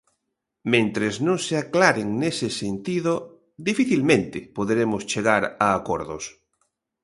Mentres non se aclaren nese sentido, dificilmente poderemos chegar a acordos.